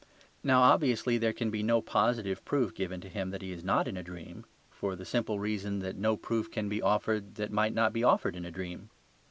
Now, obviously there can be no positive proof given to him that he is not in a dream, for the simple reason that no proof can be offered that might not be offered in a dream.